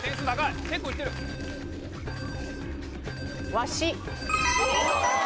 わし。